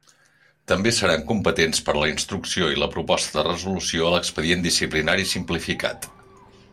També seran competents per a la instrucció i la proposta de resolució a l'expedient disciplinari simplificat.